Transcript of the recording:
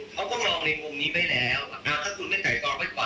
เขาก็มองในวงศ์นี้ไปแล้วอ่าถ้าคุณไม่ตายตองไปก่อน